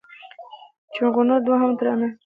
چونغرته دوهمه ترانه